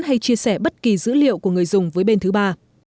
hay chia sẻ bất kỳ dữ liệu của người dùng với bên thứ ba